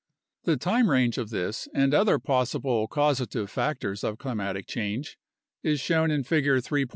The time range of this and other possible causative factors of climatic change is shown in Figure 3.